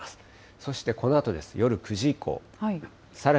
そしてこのあとです、夜９時以降。